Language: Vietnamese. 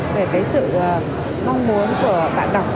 về cái sự mong muốn của bạn đọc